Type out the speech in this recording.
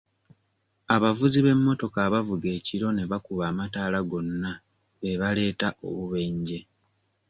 Abavuzi b'emmotoka abavuga ekiro ne bakuba amatala gonna beebaleeta obubenje.